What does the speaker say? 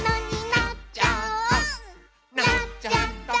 「なっちゃった！」